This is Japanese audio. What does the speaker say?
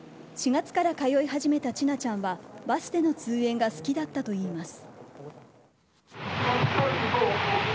４月から通い始めた千奈ちゃんはバスでの通園が好きだったといいます。